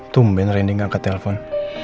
tumben rendy gak ke telfon